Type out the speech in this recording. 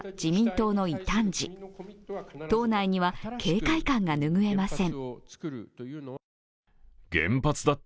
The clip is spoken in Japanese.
党内には警戒感が拭えません。